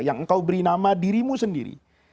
yang engkau beri nama dirimu sendiri